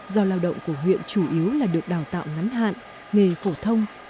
do lao động của huyện chủ yếu là được đào tạo ngắn hạn nghề phổ thông